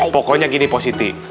pokoknya gini pak ustadz